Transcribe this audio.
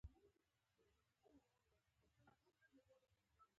که به کوم نوی کتاب چاپ شو نو ښار ته تللو